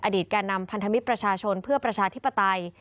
แก่นำพันธมิตรประชาชนเพื่อประชาธิปไตย